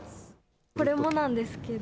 これもなんですけど。